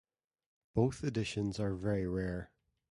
Both editions are very rare.